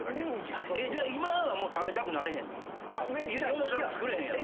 嫁さんは作れへんやろ？